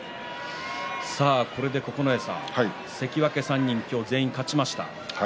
これで九重さん関脇３人、今日全員勝ちました。